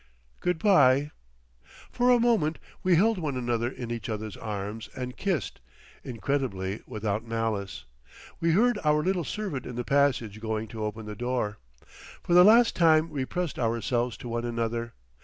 "Good bye." For a moment we held one another in each other's arms and kissed—incredibly without malice. We heard our little servant in the passage going to open the door. For the last time we pressed ourselves to one another.